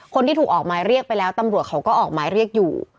คนที่ถูกออกหมายเรียกไปแล้วตำรวจเขาก็ออกหมายเรียกอยู่